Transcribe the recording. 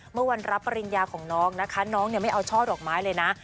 เมื่อวันรับปริญญาของน้องนะคะน้องไม่เอาช่อดอกไม้เลยนะ